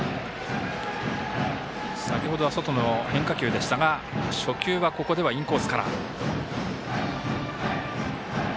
先ほどは外の変化球でしたが初球は、ここではインコースから。